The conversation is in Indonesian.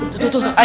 tuh tuh tuh